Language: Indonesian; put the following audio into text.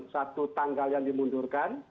satu tanggal yang dimundurkan